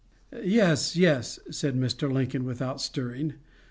"Yes, yes," said Mr. Lincoln, without stirring.